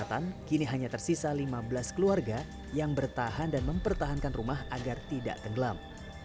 kesehatan kini hanya tersisa lima belas keluarga yang bertahan dan mempertahankan rumah agar tidak tenggelam